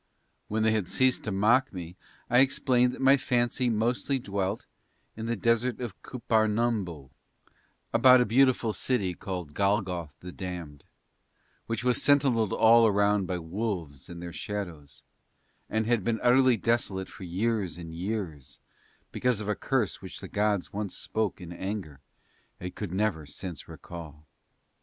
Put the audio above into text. When they had ceased to mock me, I explained that my fancy mostly dwelt in the desert of Cuppar Nombo, about a beautiful city called Golthoth the Damned, which was sentinelled all round by wolves and their shadows, and had been utterly desolate for years and years, because of a curse which the gods once spoke in anger and could never since recall.